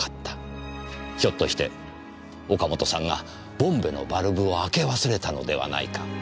ひょっとして岡本さんがボンベのバルブを開け忘れたのではないか。